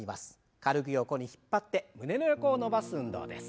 軽く横に引っ張って胸の横を伸ばす運動です。